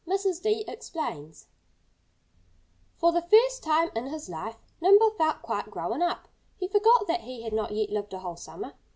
DEER EXPLAINS For the first time in his life Nimble felt quite grown up. He forgot that he had not yet lived a whole summer.